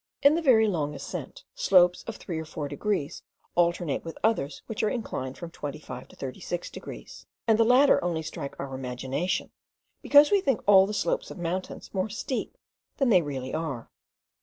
In a very long ascent, slopes of three or four degrees alternate with others which are inclined from 25 to 30 degrees; and the latter only strike our imagination, because we think all the slopes of mountains more steep than they really are.